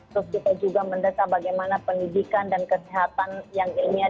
terus kita juga mendesak bagaimana pendidikan dan kesehatan yang ilmiah